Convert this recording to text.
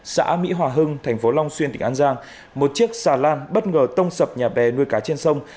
xã mỹ hòa hưng thành phố long xuyên tỉnh an giang một chiếc xà lan bất ngờ tông sập nhà bè nuôi cá trên sông